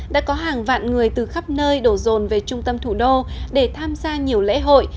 đã có hàng vạn người từ khắp nơi đổ rồn về trung tâm thủ đô để tham gia nhiều lễ hội